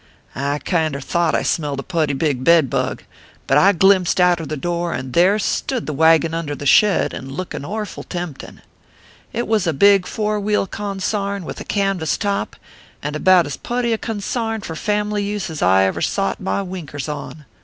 " I kinder thought I smelt a putty big bed bug ; but I glimpsed outer the door, and there stood the ORPHEUS C. KERB PAPERS. 235 wagon under the shed, and lookin orful temptin . It war a big four wheel consarn, with a canvas top, and about as putty a consarn for family use as ever I sot my winkers on.